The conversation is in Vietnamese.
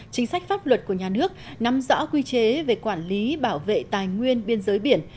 chính sách pháp luật của nhà nước nắm rõ quy chế về quản lý bảo vệ tài nguyên biên giới biển